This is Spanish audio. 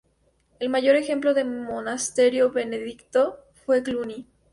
El mayor ejemplo de monasterio benedictino fue Cluny.